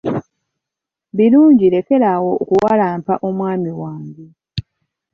Birungi lekera awo okuwalampa omwami wange.